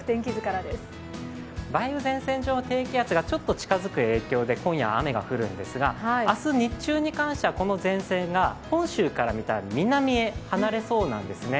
梅雨前線上、低気圧がちょっと近づく影響で今夜は雨が降るんですが明日日中に関しては、この前線が本州から見たら南へ離れそうなんですね。